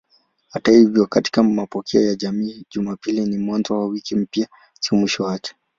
Hata hivyo katika mapokeo hayo Jumapili ni mwanzo wa wiki mpya, si mwisho wake.